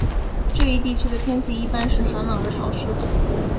这一地区的天气一般是寒冷而潮湿的。